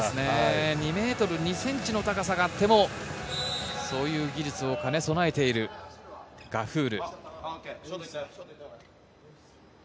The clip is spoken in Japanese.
２ｍ２ｃｍの高さがあってもそういう技術を兼ね備えているガフール。